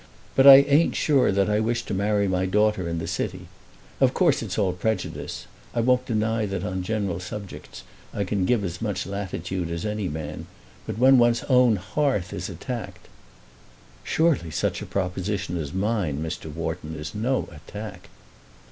But I ain't sure that I wish to marry my daughter in the City. Of course it's all prejudice. I won't deny that on general subjects I can give as much latitude as any man; but when one's own hearth is attacked " "Surely such a proposition as mine, Mr. Wharton, is no attack!"